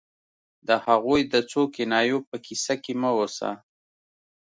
د هغوی د څو کنایو په کیسه کې مه اوسه